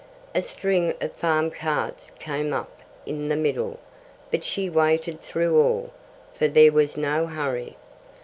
A string of farm carts came up in the middle; but she waited through all, for there was no hurry.